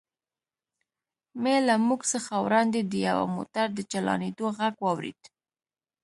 مې له موږ څخه وړاندې د یوه موټر د چالانېدو غږ واورېد.